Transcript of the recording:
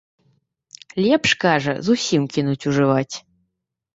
Лепш, кажа, зусім кінуць ужываць.